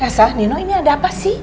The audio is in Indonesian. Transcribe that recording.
kasa nino ini ada apa sih